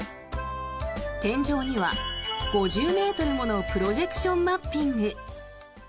天井には５０ｍものプロジェクションマッピング。